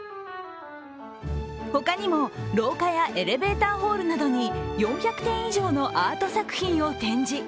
他にも廊下やエレベーターホールなどに４００点以上のアート作品を展示。